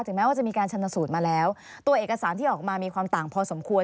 แม้ว่าจะมีการชนสูตรมาแล้วตัวเอกสารที่ออกมามีความต่างพอสมควร